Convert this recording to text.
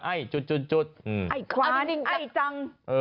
ไอ้ควั้นไอ้จัง